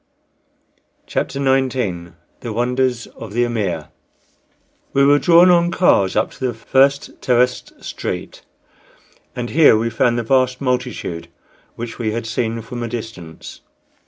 CHAPTER XIX THE WONDERS OF THE "AMIR" We were drawn on cars up to the first terraced street, and here we found the vast multitude which we had seen from a distance.